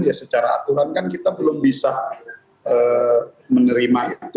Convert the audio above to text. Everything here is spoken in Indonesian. ya secara aturan kan kita belum bisa menerima itu